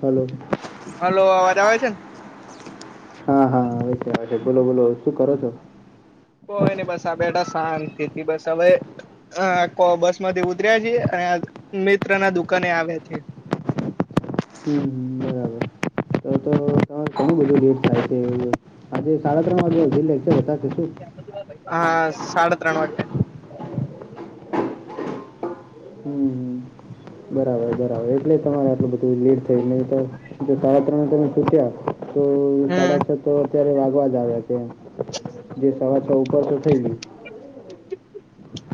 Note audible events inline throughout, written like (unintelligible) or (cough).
Hello hello અવાજ આવે છે ને હા હા આવે છે આવે છે. બોલો બોલો શું કરો છો? કોય ની બસ આ બેઠા શાંતિથી બસ હવે અ કો બસમાંથી ઉતર્યા છીએ અને મિત્રના દુકાને આવ્યા છે. હમ હમ ઘણું બધું લેટ થાય છે. આજે સાડા ત્રણ વાગ્યા સુધી લેકચર હતા કે શું? હા સાડા ત્રણ વાગ્યા. હમ, બરાબર બરાબર. એટલે, તમારે આટલું બધું લીટ થય જો નહીં તો સાડા ત્રણ તમે છૂટ્યા. તો હમ સાડા છ તો અત્યારે વાઘવા જ આવ્યા છે. જે સવા છ ઉપર તો થઈ ગય.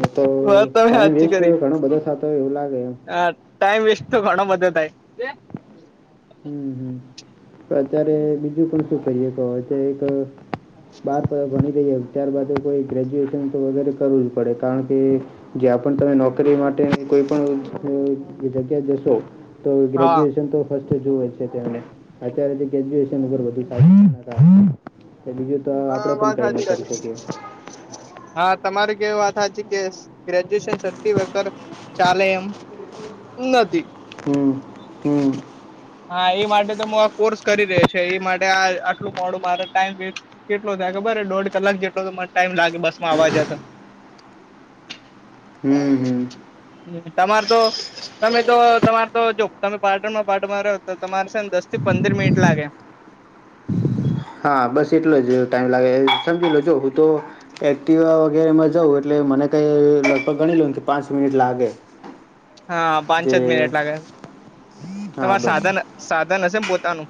નહીં તો વાત તમે ટાઈમ સાચી વેસ્ટ કરી ઘણો બધો થતો હોય એવું લાગે એમ. હા ટાઈમ વેસ્ટ તો ઘણો બધો થાય. હમ હમ પણ અત્યારે બીજું પણ શું કરીએ કો તો એક બાર ભણી લઈએ ત્યારબાદ કોઈ ગ્રેજ્યુએશન તો વગેરે કરવું જ પડે કારણ કે જ્યાં પણ તમે નોકરી માટેની કોઈ પણ જગ્યાએ જશો. તો હા ગ્રેજ્યુએશન તો તો જુએ જ છે તેમણે અત્યારે ગ્રેજ્યુએશન ઉપર બધું ચાલતું (inaudible) કે બીજું તો હા આપડે પણ વાત કઈ ના સાચી કરી શકીએ. હા તમારે કેવું વાત હાચી કે ગ્રેજ્યુએશન સટી ચાલે એમ? નથી. હમ હમ હા એ માટે તો હું આ કોર્સ કરી રયો છું. એ માટે આ આટલું મોડું મારો ટાઈમ વેસ્ટ કેટલો થાય ખબરે દોઢ કલાક જેટલો તો મને ટાઈમ લાગે બસમાં આવવા જતા. હમ હમ હમ તમાર તો તમે તો તમારે તો જો તમે પાર્ટનમાં ને પાર્ટનમાં રહો તો તમારે છે ને દસ થી પંદર મિનિટ લાગે. હા બસ એટલો જ ટાઈમ લાગે સમજી લો જો હું તો એક્ટીવા વગેરેમાં જાવ એટલે મને કંઈ લગભગ ગણી લ્યોને કે પાંચ મિનિટ લાગે. હા પાંચ જે જ મિનિટ લાગે. હા તમારે બસ સાધન સાધન હશે ને પોતાનું?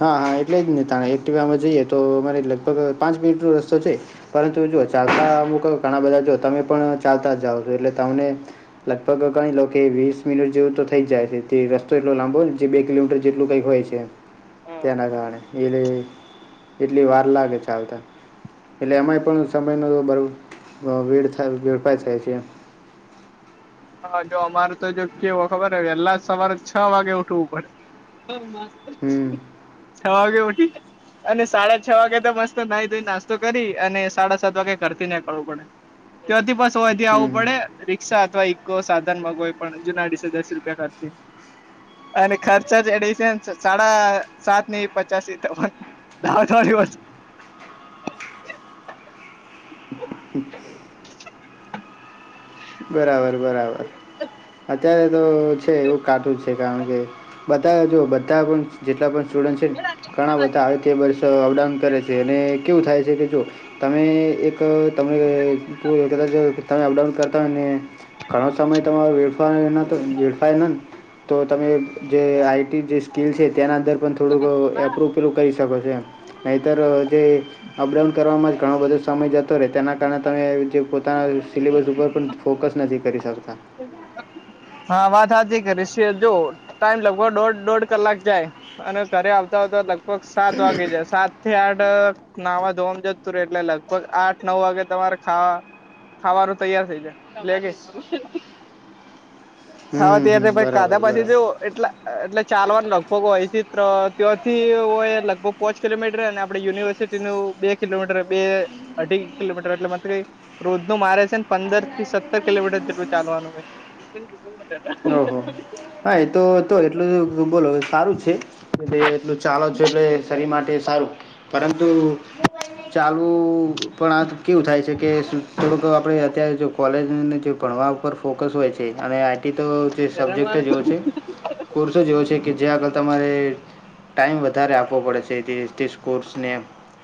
હા હા એટલે જ ને. તાને એક્ટિવમાં જઈએ તો અમારે લગભગ પાંચ મિનિટનો રસ્તો છે. પરંતુ જુઓ ચાલતા અમુક ઘણા બધા જો તમે પણ ચાલતા જ જાઓ છો એટલે તમને લગભગ ગણી લો કે વીસ મિનિટ જેવું તો થઈ જાય છે. તે રસ્તો એટલો લાંબો જે બે કિલોમીટર જેટલુ કંઈક હોય છે એમ. તેના હા કારણે એટલી વાર લાગે ચાલતા. એટલે એમાંય પણ સમયનો વેડફાય વેડફાય થાય છે એમ. હા, જો અમારે તો જો કેવુ ખબર વેલા સવારે છ વાગે ઉઠવું પડે. હમ. છ વાગે ઊઠી. અને સાડા છ વાગે તો, મસ્ત નાઈ ધોઈ નાસ્તો કરી, અને સાડા સાત વાગે, ઘરેથી નીકળવું પડે. તથી બસ હોયથી આવવું હમ. પડે રિક્ષા અથવા (unintelligible) ઈકો સાધન માં કોઈ પણ જુનાડીસે, દસ રૂપિયા ખર્ચી. અને ખર્ચા જેડ છે, સાડા સાત ની પચાસ થવાનું. દ થ દિવસ (unintelligible) બરાબર, બરાબર. અત્યારે તો છે, એવું કાટુંજ છે, કારણ કે બધા જો બધા પણ જેટલા પણ સ્ટુડન્ટ છે, ઘણા બધા આવે. વર્ષ અપડાઉન કરે છે, અને કેવું થાય છે કે, જો તમે એક તમે કદાચ તમે અપડાઉન કરતા હોયને. ઘણો સમય તમારો વેડફાય નયને, તો તમે જે આઈટી જે સ્કીલ છે, તેના અંદર પણ થોડુંક એપ્રૂવ કરી શકો છો એમ. નહીતર જે અપડાઉન કરવામાં જ ઘણો બધો સમય જતો. રહે, તેના કારણે તમે જે પોતાના સિલેબસ ઉપર પણ ફોકસ નથી કરી શકતા. હા. હા, વાત હાચી કરીશે, જો ટાઈમ લગભગ દોઢ-દોઢ કલાક જાય. અને ઘરે આવતા-આવતા, લગભગ સાત વાગી જાય, સાત થી આઠ નાવા ધોવામાં જતું રે, એટલે લગભગ આઠ-નવ વાગે તમારે ખાવા. ખાવાનું તૈયાર થઇ જાય લે કે. ખાવા, હમ, હમ. તૈયાર‌ પછી બરાબર, ખાધા, પાછી બરાબર. જો એટલા એટલે ચાલવાનું લગભગ હોયથી હોય, લગભગ પોંચ કિલોમીટરને આપડે યુનિવર્સિટી નું બે કિલોમીટર, બે અઢી કિલોમીટર એટલે મંથલી. રોજ નું મારે છે ને, પંદર થી સત્તર કિલોમીટર જેટલું ચાલવાનું થાય. ઓહો, હો, હા, એ તો તો એટલું બોલો સારું છે, એ એટલું. ચાલો છો, એટલે શરીર માટે સારું પરંતુ ચાલવું પણ આ કેવું થાય છે કે, થોડુંક આપણે અત્યારે જો કોલેજને જે ભણવા ઉપર ફોકસ હોય છે, અને આઈટી તો જે સબ્જેક્ટ જ એવો છે. કોર્સો જે એવો છે કે, જે આગળ તમારે ટાઈમ વધારે આપવો પડે છે, એ જેતે કોર્સને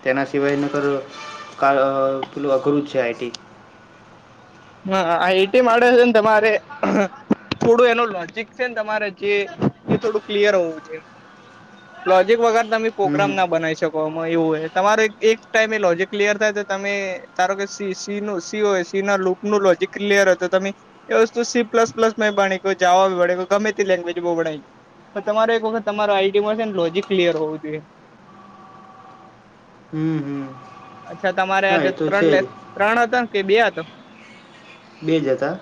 તેના સિવાય નકર પેલું અઘરું જ છે, આઈટી. હા, આઇઆઇટી માટે છે ને, તમારે થોડું એનું લોજીક છે ને, તમારે જે એ થોડું ક્લિયર હોવું જોઈએ, લોજીક વગર તમે પ્રોગ્રામ હમ, ના બનાવી શકો. એવું હો, તમારો એક ટાઈમ એ લોજીક ક્લિયર થાય, તો તમે તારો કે સી સી હોય સી ના લુક. નું લોજિક ક્લિયર હોય, તો તમે એ વસ્તુ સી પ્લસ પ્લસ માં ભણી, ગમે તે લેંગ્વેજ બહુ ભણાય. તો તમારો એક વખત તમારે આઈડી માં ને, લોજિક ક્લિયર હોવું જોઈએ. હ, હ, અચ્છા તમારે હા, એ આજે તો ત્રણ છે લે જ. ત્રણ હતા કે, બે હતા? બે જ હતા.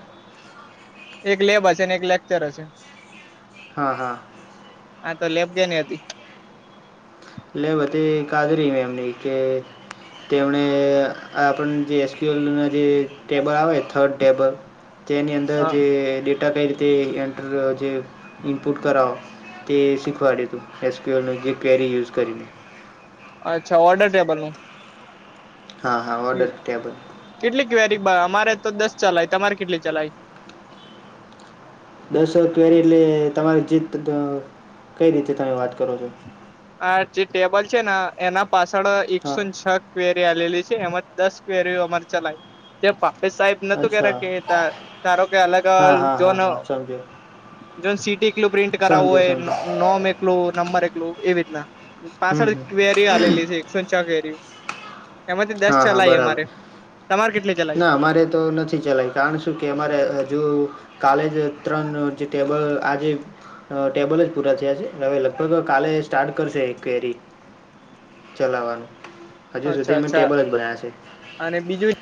એક લેબ હશે, અને ને એક લેક્ચર હશે. હા, હા. હા, લેબ જે ને હતી. લે, બધી કાદરી મે એમની કે. તેમણે આપણને જે એસક્યુ એલના જે ટેબલ આવે, થર્ડ ટેબલ. તેની અંદર હા જે ડેટા કઈ રીતે એ, જે ઇનપુટ કરાવો. તે શીખવાડ્યું તું, એસક્યુલ જે કેરી યુઝ કરીને. અચ્છા, ઑડર ટેબલ નું. હા, હા, ઓર્ડર ટેબલ. કેટલી ક્વેરી? અમારે તો દસ ચલાય, તમારે કેટલી ચલાય? દસો કવેરી, એટલે તમારી જીત કઈ રીતે તમે વાત કરો છો? આ જે ટેબલ છે ને, એના પાછળ એકસો હા ન છ કવેરી આલી છે, એમાં દસ ક્વેરીઓ અમારે ચલાઈ તે પાપે સાહેબ. નતું કેતા અચ્છા કે, તારો કે અલગ હા હા હા જોન. હા સમજ્યો જોન સીટી એકલું પ્રિન્ટ કરાવવું સમજ્યો હોય, સમજ્યો નોમ એકલું નંબર એકલું એવી રીતના. હમ પાછળ હમ ક્વેરી આલેલી છે. એમાંથી દસ હા હા ચલાય, બરાબર અમારે તમારે કેટલી? ચલાવી ના અમારે તો નથી ચલાઈ. કારણ શું કે, અમારે હજુ કોલેજ ત્રણ જે ટેબલ આજે ટેબલ જ પૂરા થયા છે, હવે લગભગ કાલે સ્ટાર્ટ કરશે ક્વેરી ચલાવાનું, હજુ સુધી અચ્છા અમે અચ્છા ટેબલ જ બનાવ્યા છે. અને બીજું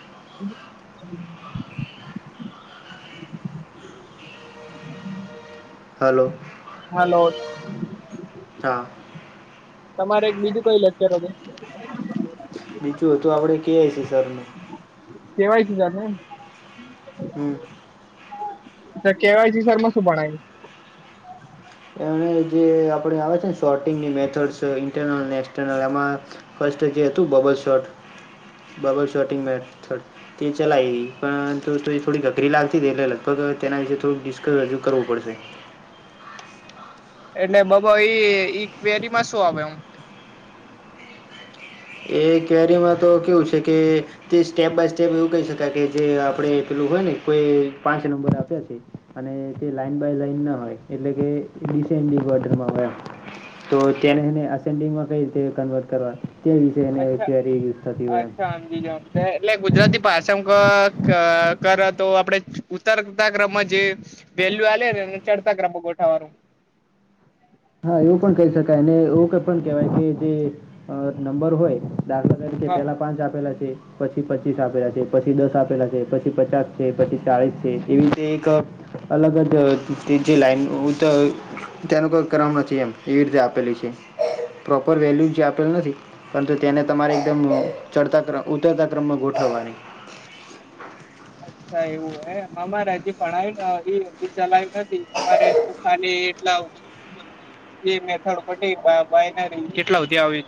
હલો. હાલો તમારે એક બીજું કઈ લેક્ચર હતુ. બીજું હતું, આપડે કે એસી સરનુ. ત્યાં ય (unintelligible) હમ. તો કેવાયસી સરમાં શું ભણાવ્યું? એ જે આપડે આવે છે ને, શોર્ટિંગની મેથડસ ઇન્ટરનલ એ એમાં. ફર્સ્ટ જે હતું, bubble sort, bubble sorting method. તે ચલાય, પણ થોડી ગઘરી લાગતી તી, એટલે લગભગ તેના વિશે થોડું ડિસ્કસ રજુ કરવું પડશે. એટલે બ બ ઈ ઇ કવેરી માં શું ઓમ (unintelligible) એ કવેરીમાં તો કેવું છે કે. તે સ્ટેપ બાય સ્ટેપ એવું કહી શકાય કે, જે આપડે પેલું હોય ને, કોઈ પાંચ નંબર આપ્યા છે. અને તે લાઈન બાય લાઈન ના હોય, એટલે કે ડીસેન્ડીગ માં હોય એમ. તો તેને ને અસેન્ડિંગમાં કઈ રીતે કન્વર્ટ કરવાની. કઈ રીતે એને અત્યારે યુઝ થતી હોય એમ? હા, જી જા. એટલે ગુજરાતીમાં ભાષા માં કરો તો, આપણેે ઉતરતા ક્રમમાં જે વેલ્યુ આલે, એમને ચડતા ક્રમ માં ગોઠવવાનું. હા, એવું પણ કહી શકાય, અને એવું કઈ પણ કેહેવાય કે જે નંબર હોય. દાખલા તરીકે હા પહેલાં પાંચ આપેલા છે. પછી પચીસ આપેલા છે, પછી દસ આપેલા છે, પછી પચાસ છે, પછી ચાળીસ છે, એવી રીતે એક અલગ જ તે જે લાઈન તેનો કરવાનું નથી, એમ એવી રીતે આપેલી છે, પ્રોપર વેલ્યુ જે આપેલ નથી. પરંતુ તેને તમારે એકદમ ચડતા ક્રમમાં, ઉતરતા ક્રમમાં ગોઠવવાની. અચ્છા એવું હે અમારે હજી ભણાયું ને એ હ ચલાયું નથી અમારે તો ખાલી એટલા (inaudible) બે મેથડ પ બાયનરી કેટલા સુધી આવે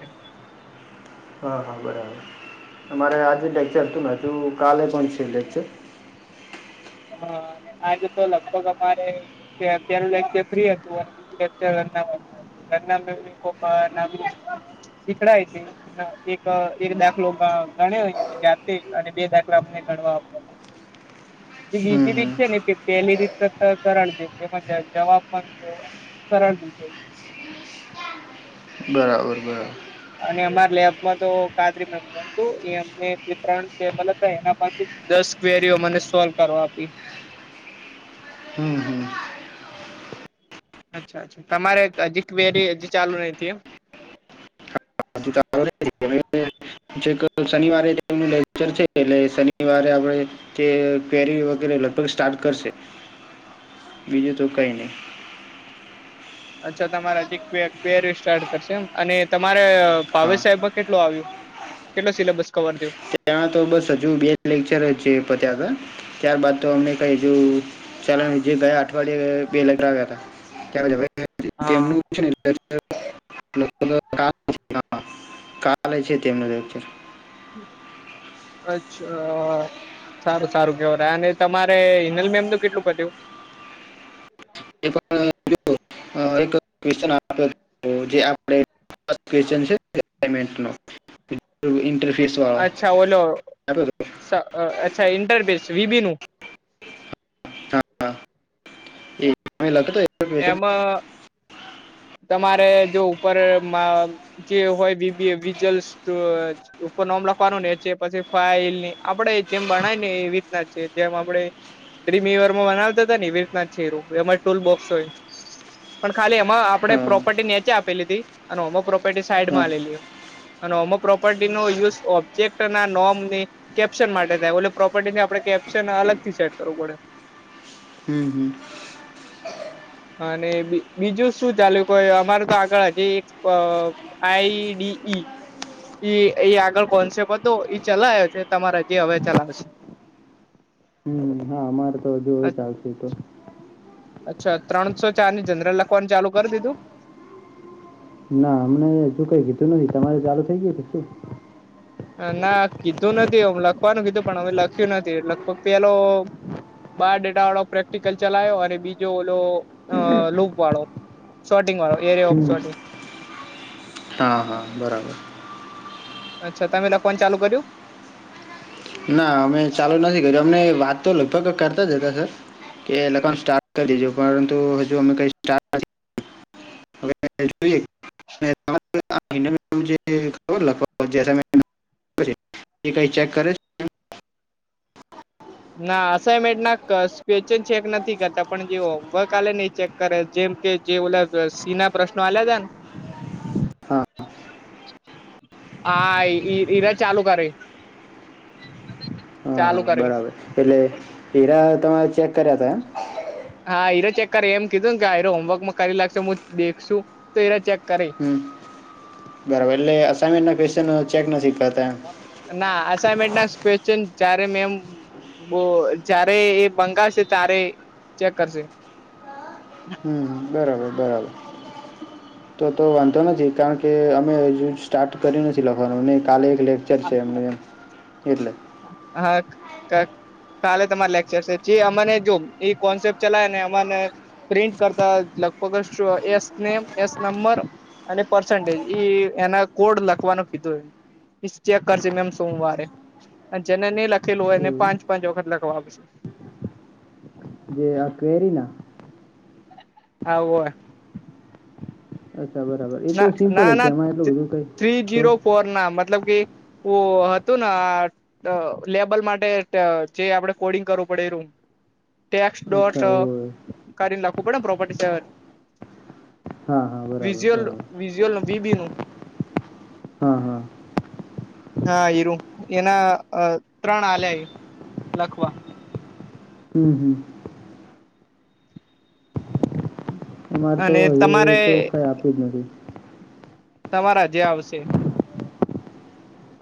હા હા બરાબર અમારે આજે લેક્ચર હતું ને હજુ કાલે પણ છે લેક્ચર હા અને આજે તો લગભગ અમારે કે અત્યારે લેક્ચર ફ્રી હતું અને (unintelligible) ઘરના બધા બીકોમ ના મી શીખડાય છે એક એક દાખલો ગણે જાતે અને બે દાખલા અમને ગણવા આપ જે હમ બીજી હમ રીત છે ને તે પહેલી રીતે તે સરળ છે જવાબ પણ સરળ રીતે બરાબર બરાબર અને અમાર લેબમાં તો કાદરી મેમ હતું એ અમને જે ત્રણ ટેબલ હતા એના પાસે દસ ક્વેરીઓ મને સોલ્વ કરવા આપી હમ હમ અચ્છા અચ્છા તમારે હજી ક્વેરી હજી ચાલુ રહી તી એમ હમ હજી ચાલુ (inaudible) જે શનિવારે લેક્ચર છે એટલે શનિવારે આપણે તે કરી વગેરે લગભગ સ્ટાર્ટ કરશે બીજું તો કઈ નહી અચ્છા તમારા હજી ક્વેરી સ્ટાર્ટ કરશે એમ અને તમારે હા ભાવેશ સાહેબ કેટલો આવ્યો કેટલો સિલેબસ કવર થયો ત્યા તો બસ હજુ બે લેક્ચર છે પત્યા હતા ત્યારબદ તો અમને કંઇ હજુ ચ જે ગયા અઠવાડિયે બે લગ આવ્યા હતા ત હા તેમનું (inaudible) કાલે છે તેમનું હા (inaudible) અચ્છા સારું સારું કેવ રહ અને તમારે હિનલ મેમ તો કેટલું પત્યુ એક્ (inaudible) આપ જે આપ (inaudible) છેમે ઇન્ટરફેસ વાળો અચ્છા ઓલો આપ્યો હતો અચ્છા ઇન્ટરફેસ છે વીબી નું હા એમે (inaudible) લખતો ક્વેશ્ચન એમાં તમારે જો ઉપરમાં જે બીબીએ વિજલ્સ ઉપર નોમ લખવાનું નેચે છે પછી ફાઈલ આપડે જેમ બણાય ને એ રીતના છે જેમ આપણે (unintelligible) માં બનાવતા હતા ને એવી રીતના જ છે શીર એમાં ટુલ બોક્સ હોય પણ ખાલી એમાં આપે હા પ્રોપર્ટી નીચે આપેલી હતી એમાં પ્રોપર્ટી હા સાઈડમાં આલેલી હે અને ઓમ પ્રોપર્ટી નો યુઝ ઓબ્જેક્ટ અને નોમની કેપ્શન માટે થાય ઓલી પ્રોપર્ટી થી આપણે કેપ્શન અલગ થી સેટ કરવું પડે હમ હમ અને બીજું શું ચાલ્યું કોઇ અમારે તો આગળ હજી એક આઈડી ઈ એ આગળ કોન્સેપ્ટ હતો એ ચલાવયો છે તમારે ત્યાં જે હવે ચલાવશે હમ હા અમારે તો હજુ ચાલશે તો અચ્છા ત્રણસો ચારની જનરલ લખવાનું ચાલુ કરી દીધું ના અમને હજુ કઈ કીધું નથી તમારે ચાલુ થઈ ગયું હતું શું ના કીધું નથી હમ લખવાનું કીધું પણ લખ્યું નથી લગભગ પેલો બાર ડેટા વાળો પ્રેક્ટિકલ ચલાયો અને બીજો ઓલો અ લૂપ વાળો શોટિંગળો એરિયા ઓફ હમ શટિંગ હા હા બરાબર. અચ્છા તમે લખવાનું ચાલુ કર્યું? ના અમે ચાલુ નથી કર્યું અમને વાત તો લગભગ કરતા જ હતા સર કે લગાવવાનું સ્ટાર્ટ કરી દેજું પરંતુ હજુ અમે કંઈ સ્ટાર્ટ નથી. (unintelligible) (unintelligible) ના અસાાઈનમેન્ટ ના ક્વેશ્ચન ચેક નથી કરતા પણ જે હોમવર્ક આલે ને એ ચેક કરે જેમ કે જે ઓલા સિંહ ના પ્રશ્નો આલ્યા હતા ને. હાઆ -આ ઈ ઈ ‌ઈર ચાલુ કરે એ. હા હા ચાલુ કરે. બરાબર એટલે હીરા તમારે ચેક કર્યા હતા એમ. હા ઈરો ચેક કરી એમ કીધું કે આ રહ્યુ હોમવર્ક માં કરી લાખશો હું દેખશું તો એરા એ ચેક કરશે. હમમ- બરાબર એટલે અસાનમેન્ટના ક્વેશ્ચન ચેક નથી કરતા એમ ના આસાઈમેન્ટ ના ક્વેશ્ચન જ્યારે મેમ બો જયારે એ બંગાળશે તારે ચેક કરશે. હમમમ બરાબર બરાબર. તો તો વાંધો નથી કારણ કે અમે હજુ સ્ટાર્ટ કર્યું નથી લખવાનું ને કાલે એક લેખ છે એમને એટલે. (unintelligible) કાલે તમારે લેક્ચર છે જે અમાને જો એ કોન્સેપ્ટ ચલાવે ને અમાને પ્રિન્ટ કરતા લગભગ સૌ એસ નેમ એસ નંબર અને પર્સન્ટેજ એ ઈના કોડ લખવાનો કીધું. ઈ ચેક કરશે મેમ સોમવારે અને જેને નહી લખેલું હોય એને એવું પાંચ પાંચ વખત લખવા આપશે. તે હા કઈરી ના. હઓ અ અચ્છા બરાબર એ ના તો સિમ્પલ ના જ છે ના એમાં એટલું થ્રી બધું કંઈ થ્રી તો જીરો ફોર નામ. મતલબ કે વો હતું ન આ અ લેબલ માટે એ ટ જે આપડે કોડિંગ કરવું પડે એ રૂમ. ટેક્સ ડોટ અચ્છા અ હોય કરીને લખવું પડે ને પ્રોપર્ટી સેવર હા હા બરાબર વિઝ્યુઅલ બરાબર વિઝ્યુઅલ વિબી નું. હા હા હા હીરું એના અ ત્રણ આલ્યા લખવા. હમમ હમમ (inaudible) અ મારે તો અને એક તમારે કંઈ આપ્યું જ નથી. તમારા જે આવશે.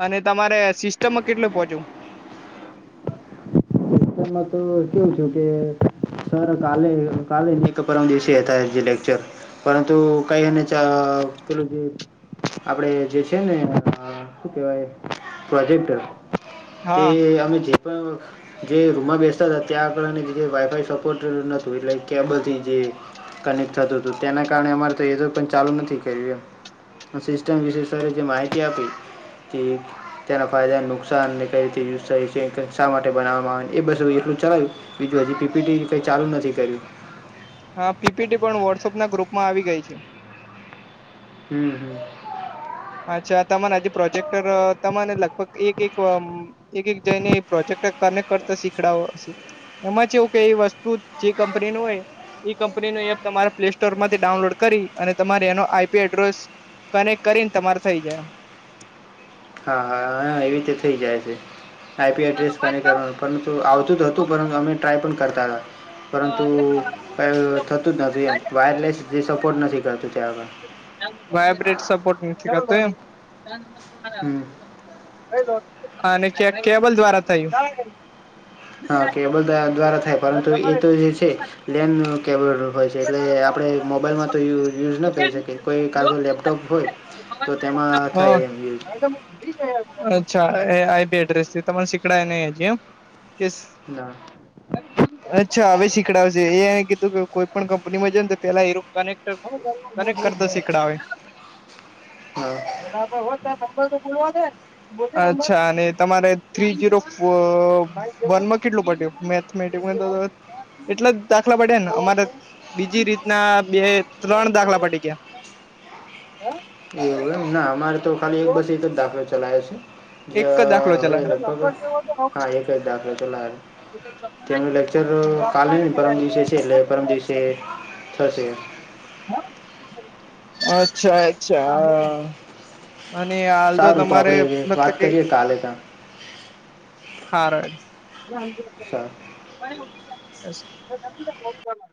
અને તમારે સિસ્ટમમાં કેટલું પોહોંચયુ. તે માં તો કેવું છું કે, સર કાલે કાલે નહી તો પરમ દિવસે હતા એ જે લેક્ચર. પરંતુ કંઈ એને ચા (unintelligible) લ જે. આપડે જે છે ને અ શું કેવાય પ્રોજેક્ટર. તે હા આવી જે પણ. જે રૂમમાં બેતા હતા ત્યાં આગળ વાયફાઈ સપોર્ટ નતું એટલે કેબથી જે. કનેક્ટ થતું હતું તેના કારણે અમારે તો એજ પણ ચાલુ નથી કર્યું એમ. સિસ્ટમ વિશેષ સર એ જે માહિતી આપી. (unintelligible) તેના ફાયદાને નુકસાનને કઈ રીતે (unintelligible) (unintelligible) માટે બનાવ. બસ ચલાયું બીજું હજી પી. પી. ટી. કઈ ચાલુ નથી કર્યું હા પી. પી. ટી. પણ વોટ્સઅપ ના ગ્રુપમાં આવી ગઈ છે. હમ્મ હમ્મ અચ્છા તમારે આજે પ્રોજેક્ટર અ તમારે લગભગ એક-એક વમ એક-એક જઈ ને પ્રોજેક્ટ કનેક્ટ કરતા શીખડાઓ એમાં ચેવું કે એ વસ્તુ જે કંપની નું હોય ઇ કંપની નું એપ તમારા પ્લેસ્ટોર માંથી ડાઉનલોડ કરી અને તમારે એનો આઈ. પી. એડ્રેસ કનેક કરીન તમારે થઇ જાય એમ. હા હા હા એવી રીતે થઈ જાય છે, આઈ. પી. આડ્રેસ કનેક કરવાનું પરંતુ આવતું હતું પરં અમે ટ્રાય પણ કરતા હતા પરંતુ, કઈ થતું જ નતું એમ વાયરલેસ જે સપોર્ટ નથી કરતું ત્યાં આગળ વાયબ્રેટ સપોર્ટ નથી થતું એમ? હમ અને કે કેબલ દ્વારા થયું હા કેબલ દ્વા દ્વારા થાય પરંતુ એ તો જે છે. લેન કેબલ હોય છે, એટલે આપડે મોબાઈલમાં તો યુઝ ન કરી શકીએ કોઈ કાતો લેપટોપ હોય (inaudible) થાય હ એમ યુઝ અચ્છા એ આઈ. પી. એડ્રેસ થી તમને સીકડાયુ નહી હજી એમ કેસ ના અચ્છા હવે શીખડાવશે એ આય કીધું કે કોઈ પણ કંપનીમાં જને તો પેલા એ રિયુ કનેક્ટર કનેકટ કરતા શીખડાવે હા ધંધા પર હોય તો (unintelligible) દે અચ્છા અને તમારે થ્રી, જીરો, ફો, અ વનમાં કેટલું પટીયું મેથ મેટિક (unintelligible) એટલે જ દાખલા પડ્યા ને અમારે બીજી રીતના બે ત્રણ દાખલા પડી ગ્યા એવું ના અમારે તો ખાલી એક બસ એક જ દાખલો ચલાયો છે. જ એક દાખલો હવે લગભગ ચલાયો હા એક જ દાખલો ચલાયો તેમનું લેક્ચર કાલેન પરમ દિવસે છે, એટલે પરમ દિવસે થશે અચ્છા-અચ્છા અ અને આલ તો સારું તમારે આપણે વાત મતલબ કે કરીએ કાલે તા હાર હેડ સા (unintelligible)